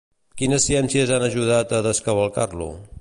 Quines ciències han ajudat a descavalcar-lo?